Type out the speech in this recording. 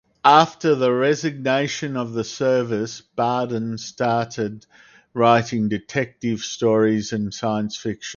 After the resignation of the service Bardhan started writing detective stories and science fiction.